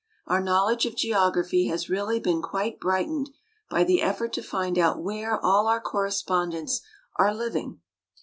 Our knowledge of geography has really been quite brightened by the effort to find out where all our correspondents are living.